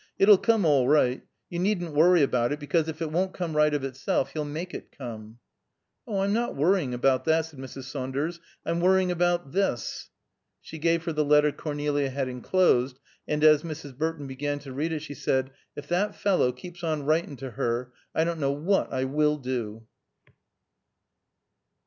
It'll come all right. You needn't worry about it, because if it won't come right of itself, he'll make it come." "Oh, I'm not worrying about that," said Mrs. Saunders, "I'm worrying about this." She gave her the letter Cornelia had enclosed, and as Mrs. Burton began to read it she said, "If that fellow keeps on writing to her, I don't know what I will do."